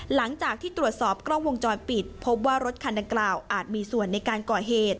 หลังจากที่ตรวจสอบกล้องวงจรปิดพบว่ารถคันดังกล่าวอาจมีส่วนในการก่อเหตุ